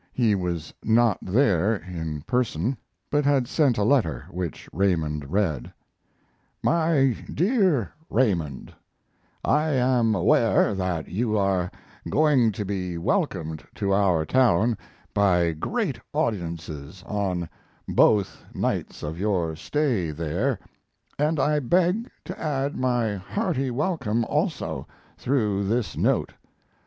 He was not there in person, but had sent a letter, which Raymond read: MY DEAR RAYMOND, I am aware that you are going to be welcomed to our town by great audiences on both nights of your stay there, and I beg to add my hearty welcome also, through this note.